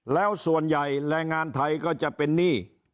แล้วส่วนใหญ่แรงงานไทยก็จะเป็นหนี้